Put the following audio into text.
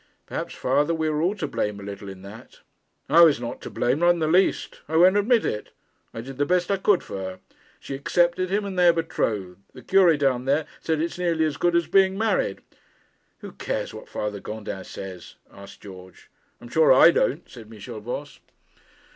'Perhaps, father, we were all to blame a little in that.' 'I was not to blame not in the least. I won't admit it. I did the best I could for her. She accepted him, and they are betrothed. The Cure down there says it's nearly as good as being married.' 'Who cares what Father Gondin says?' asked George. 'I'm sure I don't,' said Michel Voss.